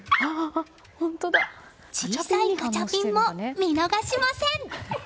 小さいガチャピンも見逃しません。